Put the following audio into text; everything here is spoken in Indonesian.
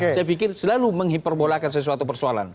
saya pikir selalu menghiperbolakan sesuatu persoalan